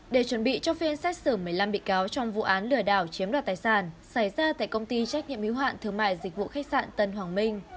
để chuẩn bị cho phiên xét xử một mươi năm bị cáo trong vụ án lừa đảo chiếm đoạt tài sản xảy ra tại công ty trách nhiệm hiếu hạn thương mại dịch vụ khách sạn tân hoàng minh